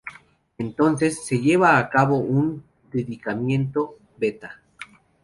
Entonces, se lleva a cabo un decaimiento beta.